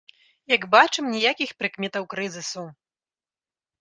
Як бачым, ніякіх прыкметаў крызісу!